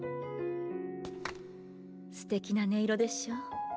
すてきな音色でしょう？